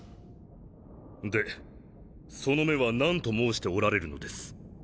でその目は何と申しておられるのです？